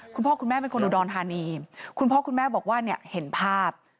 คุณพ่อคุณแม่เป็นคนอุดรธานีคุณพ่อคุณแม่บอกว่าเนี่ยเห็นภาพ